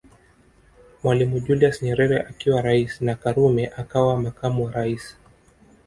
Mwalimu Julius Nyerere akiwa rais na Karume akawa makamu wa rais